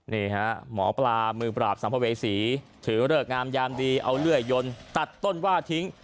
หมอปลามือปราบสัมภเวษีถือเลิกงามยามดีเอาเลื่อยยนตัดต้นว่าทิ้ง